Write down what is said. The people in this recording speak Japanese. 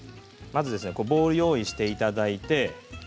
ボウルを用意していただいて。